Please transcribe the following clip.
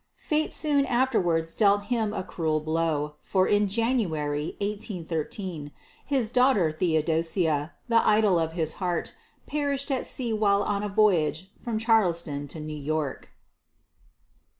Fate soon afterwards dealt him a cruel blow, for in January, 1813, his daughter, Theodosia, the idol of his heart, perished at sea while on a voyage from Charleston to New York.